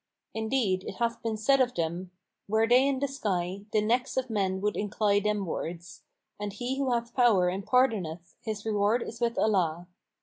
Indeed, it hath been said of them, 'Were they in the sky, the necks of men would incline themwards'; and he who hath the power and pardoneth, his reward is with Allah.